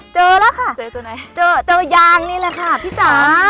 เจอแล้วค่ะเจออย่างนี้แหละค่ะพี่จ๋า